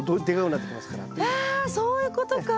えそういうことか！